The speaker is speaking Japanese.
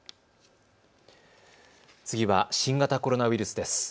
次は新型コロナウイルスです。